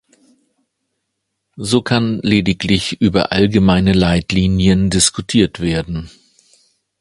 So kann lediglich über allgemeine Leitlinien diskutiert werden.